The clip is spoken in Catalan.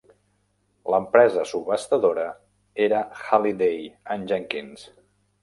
L'empresa subhastadora era Halliday and Jenkins.